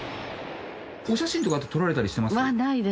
お写真とかって撮られたりしてます？